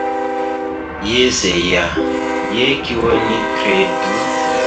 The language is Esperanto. Jes ja, je kio ni kredu?